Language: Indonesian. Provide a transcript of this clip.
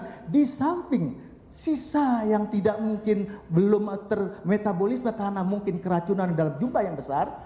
tapi samping sisa yang tidak mungkin belum ter metabolisme karena mungkin keracunan dalam jumlah yang besar